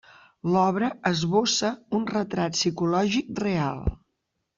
L'obra esbossa un retrat psicològic real.